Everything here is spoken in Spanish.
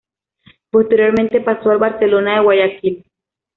Posteriormente pasó al Barcelona de Guayaquil.